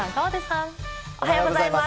おはようございます。